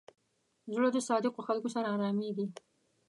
زړه د صادقو خلکو سره آرامېږي.